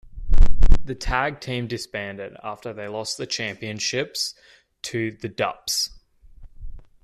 The tag team disbanded after they lost the Championships to The Dupps.